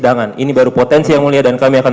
cadangan ini baru potensi yang mulia dan kami akan